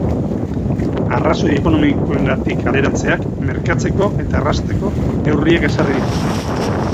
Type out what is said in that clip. Arrazoi ekonomikoengatik kaleratzeak merkatzeko eta errazteko neurriak ezarri ditu.